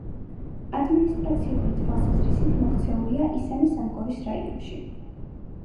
ადმინისტრაციული თვალსაზრისით მოქცეულია ისანი-სამგორის რაიონში.